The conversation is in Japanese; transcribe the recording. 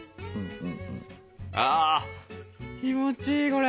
あ気持ちいいこれ！